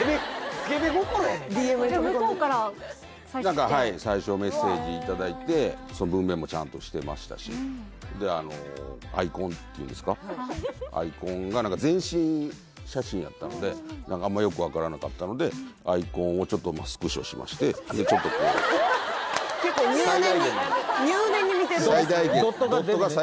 スケベ心やないかＤＭに飛び込んでる何かはい最初メッセージいただいて文面もちゃんとしてましたしでアイコンっていうんですかアイコンが全身写真やったのであんまよく分からなかったのでアイコンをちょっとスクショしましてちょっとこう入念に見てるんですね